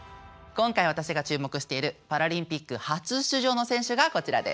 今回私が注目しているパラリンピック初出場の選手がこちらです。